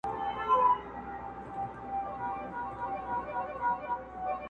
o اوبو اخيستی ځگ ته لاس اچوي.